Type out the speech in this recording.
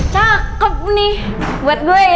cakep nih buat gue ya